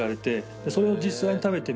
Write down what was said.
でそれを実際に食べてみると。